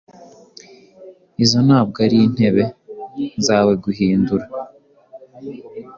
Izo ntabwo arintebe zaweguhindura